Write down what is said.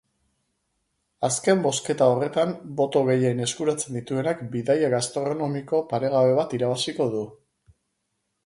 Azken bozketa horretan boto gehien eskuratzen dituenak bidaia gastronomiko paregabe bat irabaziko du.